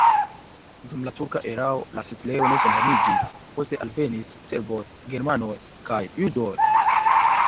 Dum la turka erao la setlejo ne senhomiĝis, poste alvenis serboj, germanoj kaj judoj.